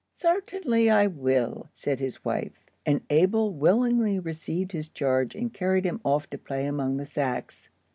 "Sartinly I will," said his wife; and Abel willingly received his charge and carried him off to play among the sacks.